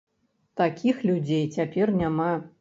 Такіх людзей цяпер няма.